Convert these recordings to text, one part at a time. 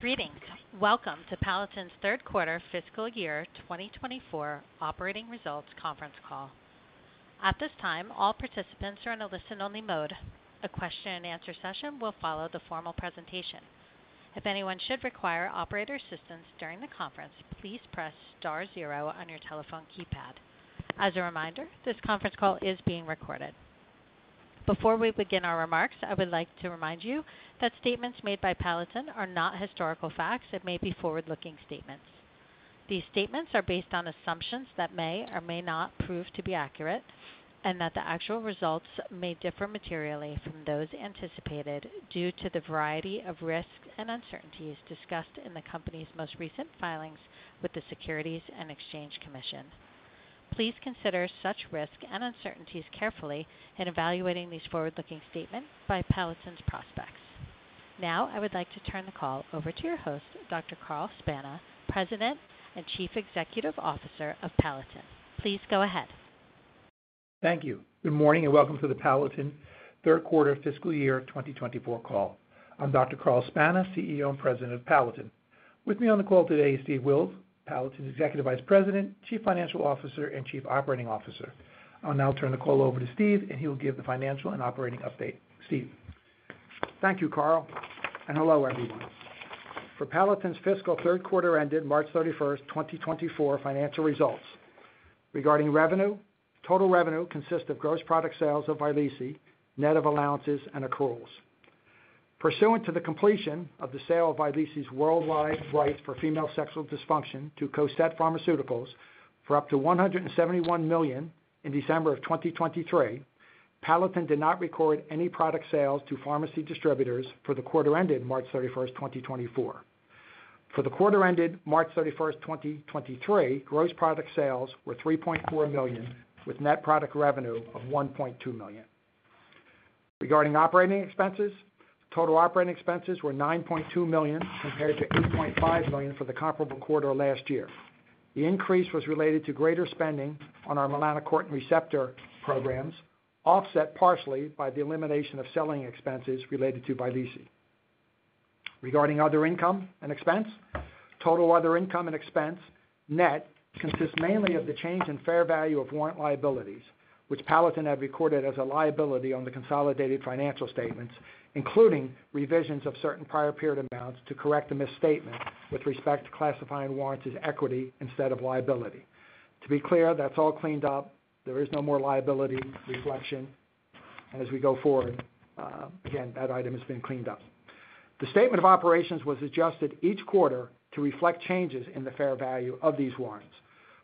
Greetings. Welcome to Palatin's third quarter fiscal year 2024 operating results conference call. At this time, all participants are in a listen-only mode. A question-and-answer session will follow the formal presentation. If anyone should require operator assistance during the conference, please press star zero on your telephone keypad. As a reminder, this conference call is being recorded. Before we begin our remarks, I would like to remind you that statements made by Palatin are not historical facts. It may be forward-looking statements. These statements are based on assumptions that may or may not prove to be accurate, and that the actual results may differ materially from those anticipated due to the variety of risks and uncertainties discussed in the company's most recent filings with the Securities and Exchange Commission. Please consider such risks and uncertainties carefully in evaluating these forward-looking statements by Palatin's prospects. Now I would like to turn the call over to your host, Dr. Carl Spana, President and Chief Executive Officer of Palatin. Please go ahead. Thank you. Good morning and welcome to the Palatin third quarter fiscal year 2024 call. I'm Dr. Carl Spana, CEO and President of Palatin. With me on the call today is Steve Wills, Palatin's Executive Vice President, Chief Financial Officer, and Chief Operating Officer. I'll now turn the call over to Steve, and he will give the financial and operating update. Steve. Thank you, Carl. Hello, everyone. For Palatin's fiscal third quarter ended March 31st, 2024 financial results. Regarding revenue, total revenue consists of gross product sales of Vyleesi, net of allowances and accruals. Pursuant to the completion of the sale of Vyleesi's worldwide right for female sexual dysfunction to Cosette Pharmaceuticals for up to $171 million in December of 2023, Palatin did not record any product sales to pharmacy distributors for the quarter ended March 31st, 2024. For the quarter ended March 31st, 2023, gross product sales were $3.4 million with net product revenue of $1.2 million. Regarding operating expenses, total operating expenses were $9.2 million compared to $8.5 million for the comparable quarter last year. The increase was related to greater spending on our Melanocortin receptor programs, offset partially by the elimination of selling expenses related to Vyleesi. Regarding other income and expense, total other income and expense net consists mainly of the change in fair value of warrant liabilities, which Palatin have recorded as a liability on the consolidated financial statements, including revisions of certain prior period amounts to correct a misstatement with respect to classifying warrants as equity instead of liability. To be clear, that's all cleaned up. There is no more liability reflection. As we go forward, again, that item has been cleaned up. The statement of operations was adjusted each quarter to reflect changes in the fair value of these warrants.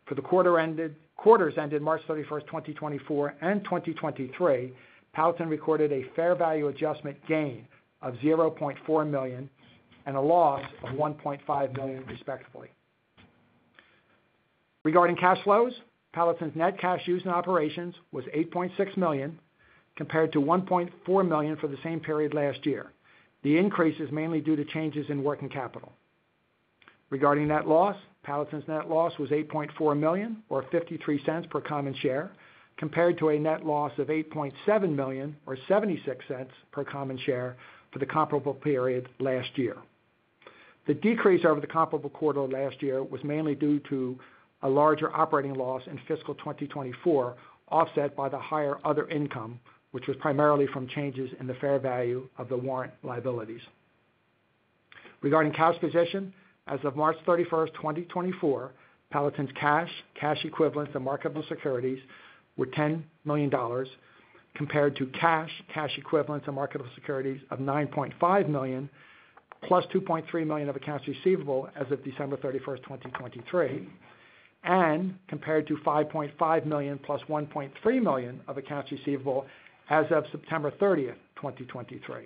For the quarters ended March 31st, 2024 and 2023, Palatin recorded a fair value adjustment gain of $0.4 million and a loss of $1.5 million, respectively. Regarding cash flows, Palatin's net cash used in operations was $8.6 million compared to $1.4 million for the same period last year. The increase is mainly due to changes in working capital. Regarding net loss, Palatin's net loss was $8.4 million or $0.53 per common share compared to a net loss of $8.7 million or $0.76 per common share for the comparable period last year. The decrease over the comparable quarter last year was mainly due to a larger operating loss in fiscal 2024, offset by the higher other income, which was primarily from changes in the fair value of the warrant liabilities. Regarding cash position, as of March 31st, 2024, Palatin's cash, cash equivalents, and marketable securities were $10 million compared to cash, cash equivalents, and marketable securities of $9.5 million + $2.3 million of accounts receivable as of December 31st, 2023, and compared to $5.5 million + $1.3 million of accounts receivable as of September 30th, 2023.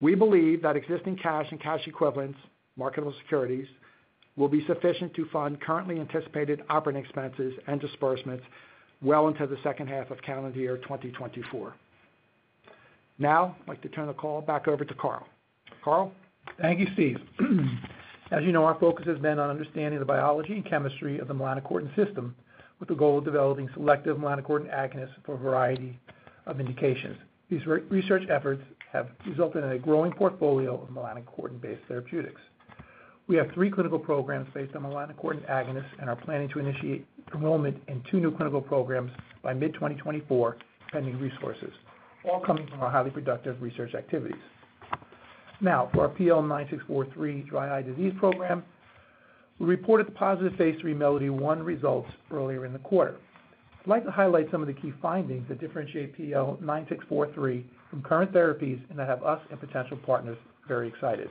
We believe that existing cash and cash equivalents, marketable securities, will be sufficient to fund currently anticipated operating expenses and disbursements well into the second half of calendar year 2024. Now I'd like to turn the call back over to Carl. Carl? Thank you, Steve. As you know, our focus has been on understanding the biology and chemistry of the Melanocortin system with the goal of developing selective Melanocortin agonists for a variety of indications. These research efforts have resulted in a growing portfolio of Melanocortin-based therapeutics. We have three clinical programs based on Melanocortin agonists and are planning to initiate enrollment in two new clinical programs by mid-2024 pending resources, all coming from our highly productive research activities. Now, for our PL9643 dry eye disease program, we reported the positive phase III MELODY-1 results earlier in the quarter. I'd like to highlight some of the key findings that differentiate PL9643 from current therapies and that have us and potential partners very excited.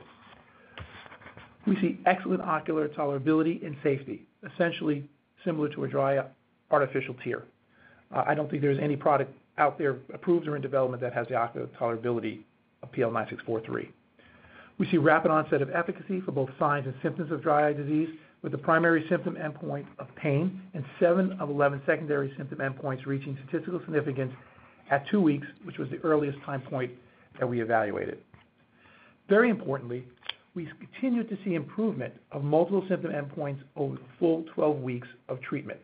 We see excellent ocular tolerability and safety, essentially similar to a dry artificial tear. I don't think there's any product out there approved or in development that has the ocular tolerability of PL9643. We see rapid onset of efficacy for both signs and symptoms of dry eye disease, with the primary symptom endpoint of pain and 7 of 11 secondary symptom endpoints reaching statistical significance at two weeks, which was the earliest time point that we evaluated. Very importantly, we continue to see improvement of multiple symptom endpoints over the full 12 weeks of treatment.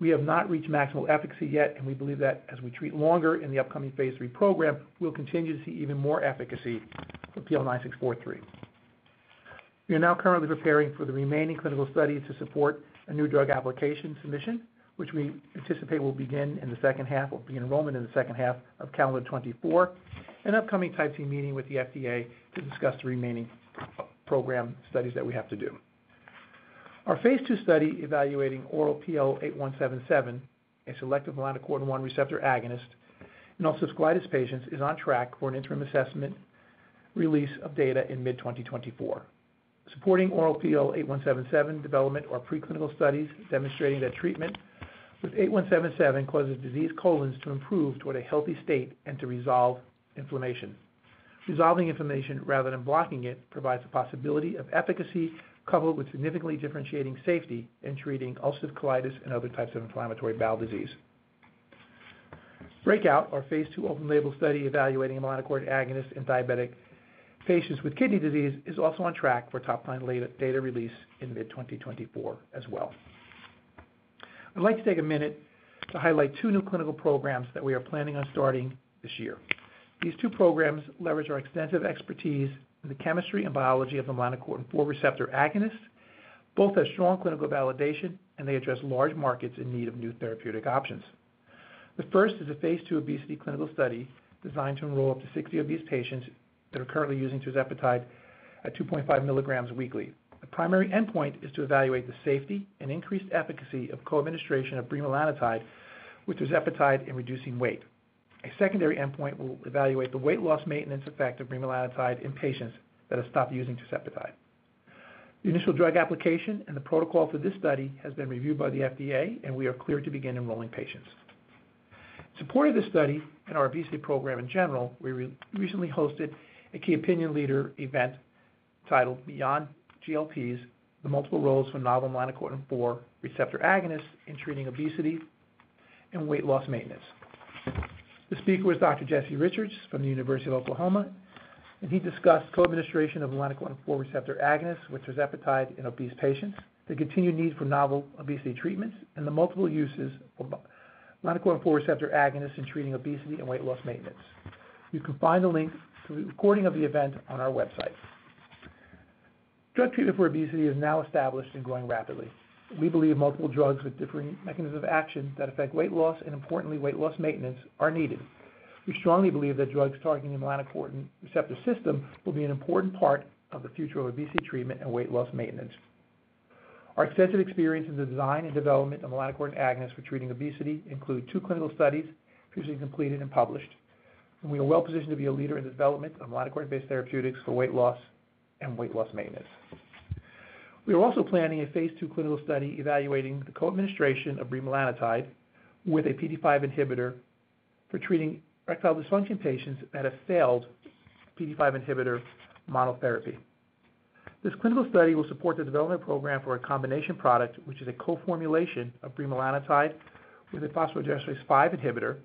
We have not reached maximal efficacy yet, and we believe that as we treat longer in the upcoming phase III program, we'll continue to see even more efficacy for PL9643. We are now currently preparing for the remaining clinical study to support a New Drug Application submission, which we anticipate will begin in the second half or begin enrollment in the second half of calendar 2024, an upcoming Type C meeting with the FDA to discuss the remaining program studies that we have to do. Our phase II study evaluating oral PL8177, a selective Melanocortin I receptor agonist in ulcerative colitis patients, is on track for an interim assessment release of data in mid-2024. Supporting oral PL8177 development are preclinical studies demonstrating that treatment with 8177 causes diseased colons to improve toward a healthy state and to resolve inflammation. Resolving inflammation rather than blocking it provides the possibility of efficacy coupled with significantly differentiating safety in treating ulcerative colitis and other types of inflammatory bowel disease. BREAKOUT, our phase II open-label study evaluating a melanocortin agonist in diabetic patients with kidney disease, is also on track for top-line data release in mid-2024 as well. I'd like to take a minute to highlight two new clinical programs that we are planning on starting this year. These two programs leverage our extensive expertise in the chemistry and biology of the melanocortin IV receptor agonist. Both have strong clinical validation, and they address large markets in need of new therapeutic options. The first is a phase II obesity clinical study designed to enroll up to 60 obese patients that are currently using tirzepatide at 2.5 milligrams weekly. The primary endpoint is to evaluate the safety and increased efficacy of co-administration of bremelanotide with tirzepatide in reducing weight. A secondary endpoint will evaluate the weight loss maintenance effect of bremelanotide in patients that have stopped using tirzepatide. The initial drug application and the protocol for this study have been reviewed by the FDA, and we are clear to begin enrolling patients. In support of this study and our obesity program in general, we recently hosted a key opinion leader event titled "Beyond GLPs: The Multiple Roles for Novel Melanocortin IV Receptor Agonists in Treating Obesity and Weight Loss Maintenance." The speaker was Dr. Jesse Richards from the University of Oklahoma, and he discussed co-administration of Melanocortin IV receptor agonists with tirzepatide in obese patients, the continued need for novel obesity treatments, and the multiple uses of Melanocortin IV receptor agonists in treating obesity and weight loss maintenance. You can find the link to the recording of the event on our website. Drug treatment for obesity is now established and growing rapidly. We believe multiple drugs with differing mechanisms of action that affect weight loss and, importantly, weight loss maintenance are needed. We strongly believe that drugs targeting the Melanocortin receptor system will be an important part of the future of obesity treatment and weight loss maintenance. Our extensive experience in the design and development of Melanocortin agonists for treating obesity includes two clinical studies previously completed and published, and we are well positioned to be a leader in the development of Melanocortin-based therapeutics for weight loss and weight loss maintenance. We are also planning a phase II clinical study evaluating the co-administration of bremelanotide with a PD-5 inhibitor for treating erectile dysfunction patients that have failed PD-5 inhibitor monotherapy. This clinical study will support the development program for a combination product, which is a co-formulation of bremelanotide with a phosphodiesterase V inhibitor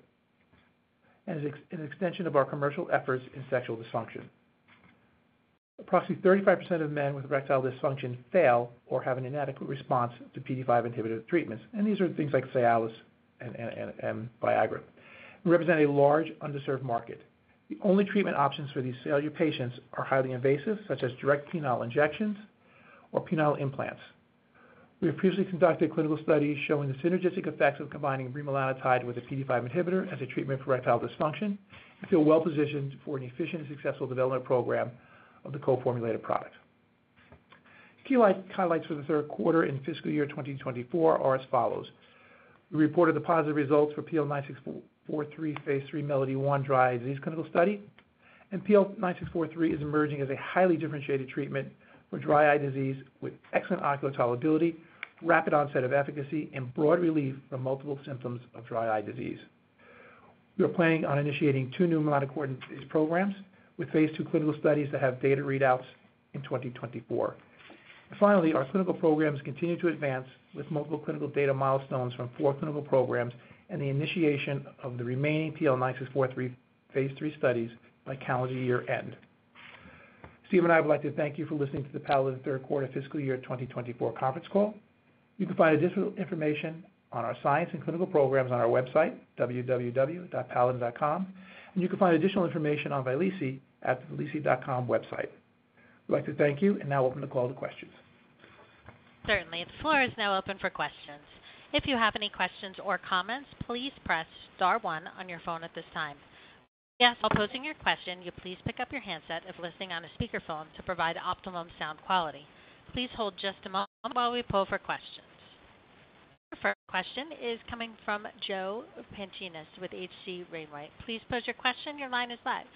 and is an extension of our commercial efforts in sexual dysfunction. Approximately 35% of men with erectile dysfunction fail or have an inadequate response to PD-5 inhibitor treatments. These are things like Cialis and Viagra. They represent a large underserved market. The only treatment options for these failure patients are highly invasive, such as direct penile injections or penile implants. We have previously conducted clinical studies showing the synergistic effects of combining bremelanotide with a PD-5 inhibitor as a treatment for erectile dysfunction and feel well positioned for an efficient and successful development program of the co-formulated product. Key highlights for the third quarter in fiscal year 2024 are as follows. We reported the positive results for PL9643 phase III MELODY-I dry eye disease clinical study, and PL9643 is emerging as a highly differentiated treatment for dry eye disease with excellent ocular tolerability, rapid onset of efficacy, and broad relief from multiple symptoms of dry eye disease. We are planning on initiating two new Melanocortin-based programs with phase II clinical studies that have data readouts in 2024. And finally, our clinical programs continue to advance with multiple clinical data milestones from four clinical programs and the initiation of the remaining PL9643 phase III studies by calendar year end. Steve and I would like to thank you for listening to the Palatin third quarter fiscal year 2024 conference call. You can find additional information on our science and clinical programs on our website, www.palatin.com, and you can find additional information on Vyleesi at the vyleesi.com website. I'd like to thank you and now open the call to questions. Certainly. The floor is now open for questions. If you have any questions or comments, please press star one on your phone at this time. If you are posing your question, you please pick up your handset if listening on a speakerphone to provide optimum sound quality. Please hold just a moment while we pull for questions. Our first question is coming from Joe Pantginis with H.C. Wainwright. Please pose your question. Your line is live.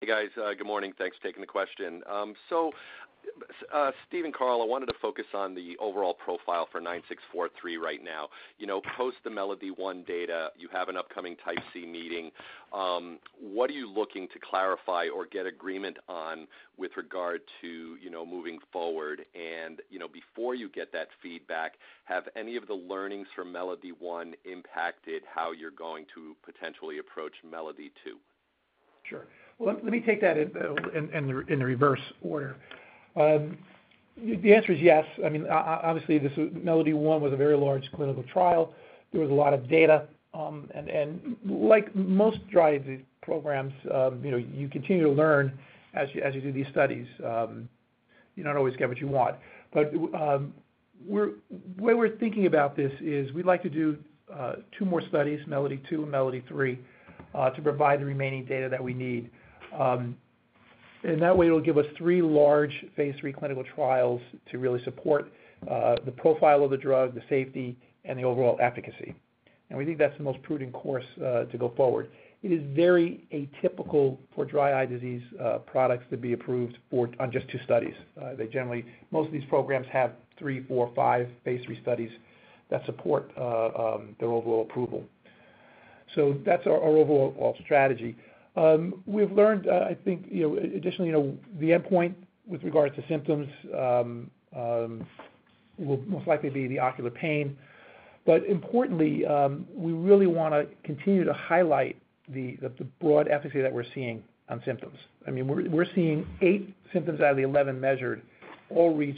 Hey, guys. Good morning. Thanks for taking the question. So Steve and Carl, I wanted to focus on the overall profile for 9643 right now. Post the Melody I data, you have an upcoming Type C meeting. What are you looking to clarify or get agreement on with regard to moving forward? And before you get that feedback, have any of the learnings from Melody I impacted how you're going to potentially approach Melody II? Sure. Well, let me take that in the reverse order. The answer is yes. I mean, obviously, MELODY-I was a very large clinical trial. There was a lot of data. And like most dry eye disease programs, you continue to learn as you do these studies. You don't always get what you want. But the way we're thinking about this is we'd like to do two more studies, MELODY-II and MELODY-III, to provide the remaining data that we need. And that way, it'll give us three large phase III clinical trials to really support the profile of the drug, the safety, and the overall efficacy. And we think that's the most prudent course to go forward. It is very atypical for dry eye disease products to be approved on just two studies. Most of these programs have three, four, five phase III studies that support their overall approval. So that's our overall strategy. We've learned, I think, additionally, the endpoint with regards to symptoms will most likely be the ocular pain. But importantly, we really want to continue to highlight the broad efficacy that we're seeing on symptoms. I mean, we're seeing eight symptoms out of the 11 measured all reach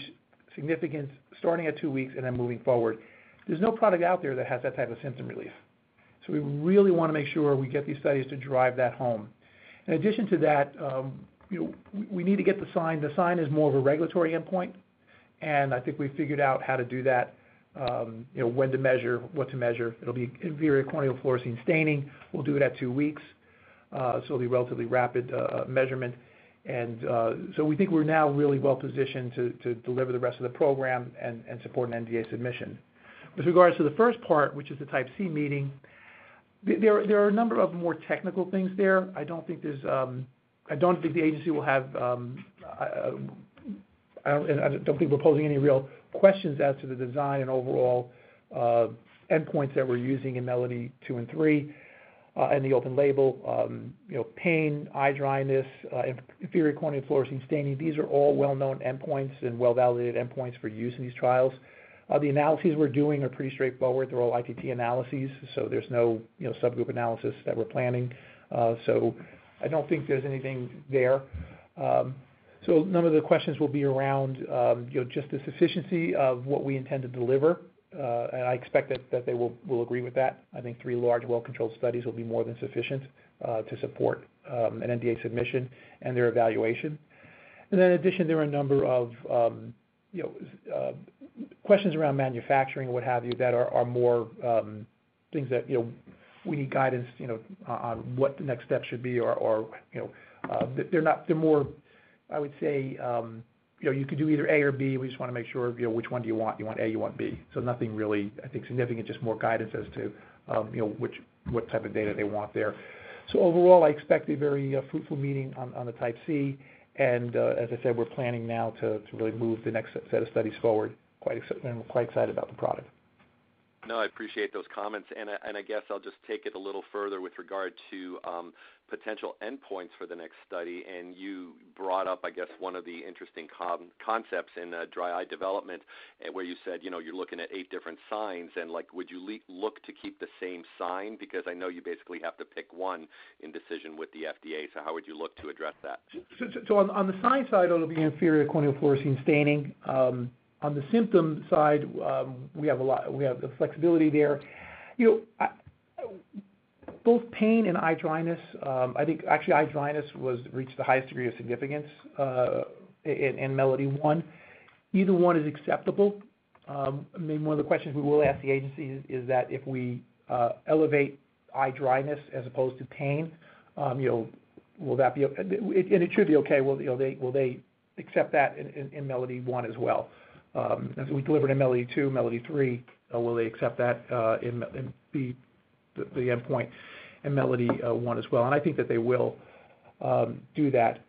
significance starting at two weeks and then moving forward. There's no product out there that has that type of symptom relief. So we really want to make sure we get these studies to drive that home. In addition to that, we need to get the sign. The sign is more of a regulatory endpoint, and I think we've figured out how to do that, when to measure, what to measure. It'll be inferior corneal fluorescein staining. We'll do it at two weeks. So it'll be a relatively rapid measurement. And so we think we're now really well positioned to deliver the rest of the program and support an NDA submission. With regards to the first part, which is the Type C meeting, there are a number of more technical things there. I don't think the agency will have, and I don't think we're posing any real questions as to the design and overall endpoints that we're using in Melody II and III and the open-label. Pain, eye dryness, inferior corneal fluorescein staining, these are all well-known endpoints and well-validated endpoints for use in these trials. The analyses we're doing are pretty straightforward. They're all ITT analyses, so there's no subgroup analysis that we're planning. So I don't think there's anything there. So none of the questions will be around just the sufficiency of what we intend to deliver. And I expect that they will agree with that. I think three large, well-controlled studies will be more than sufficient to support an NDA submission and their evaluation. And then in addition, there are a number of questions around manufacturing or what have you that are more things that we need guidance on what the next steps should be or they're more I would say you could do either A or B. We just want to make sure, "Which one do you want? Do you want A? Do you want B?" So nothing really, I think, significant, just more guidance as to what type of data they want there. So overall, I expect a very fruitful meeting on the Type C. And as I said, we're planning now to really move the next set of studies forward. And we're quite excited about the product. No, I appreciate those comments. And I guess I'll just take it a little further with regard to potential endpoints for the next study. And you brought up, I guess, one of the interesting concepts in dry eye development where you said you're looking at eight different signs. And would you look to keep the same sign? Because I know you basically have to pick one in decision with the FDA. So how would you look to address that? So on the sign side, it'll be inferior corneal fluorescein staining. On the symptom side, we have a lot. We have the flexibility there. Both pain and eye dryness I think actually, eye dryness reached the highest degree of significance in Melody I. Either one is acceptable. I mean, one of the questions we will ask the agencies is that if we elevate eye dryness as opposed to pain, will that be and it should be okay. Will they accept that in Melody I as well? As we delivered in Melody II, Melody III, will they accept that and be the endpoint in Melody I as well? And I think that they will do that.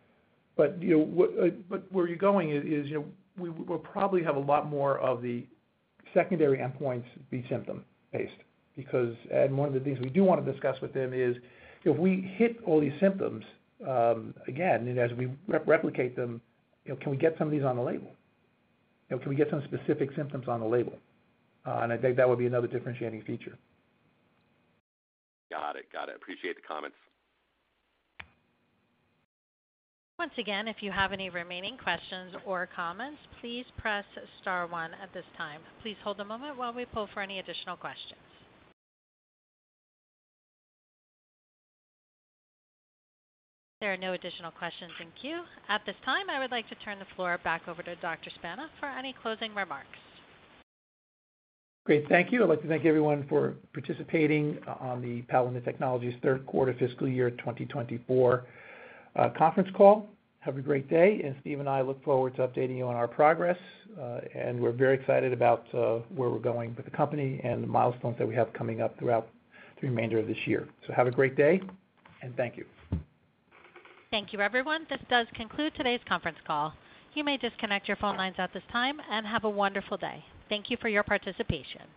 But where you're going is we'll probably have a lot more of the secondary endpoints be symptom-based. One of the things we do want to discuss with them is if we hit all these symptoms again and as we replicate them, can we get some of these on the label? Can we get some specific symptoms on the label? I think that would be another differentiating feature. Got it. Got it. Appreciate the comments. Once again, if you have any remaining questions or comments, please press star one at this time. Please hold a moment while we pull for any additional questions. There are no additional questions in queue. At this time, I would like to turn the floor back over to Dr. Spana for any closing remarks. Great. Thank you. I'd like to thank everyone for participating on the Palatin Technologies third quarter fiscal year 2024 conference call. Have a great day. Steve and I look forward to updating you on our progress. We're very excited about where we're going with the company and the milestones that we have coming up throughout the remainder of this year. Have a great day. Thank you. Thank you, everyone. This does conclude today's conference call. You may disconnect your phone lines at this time and have a wonderful day. Thank you for your participation.